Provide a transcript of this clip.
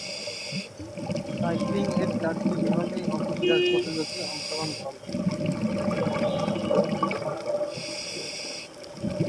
সাইক্লিং-এর চারটি বিভাগেই অস্ট্রেলিয়ার প্রতিযোগী অংশগ্রহণ করে।